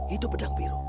itu pedang biru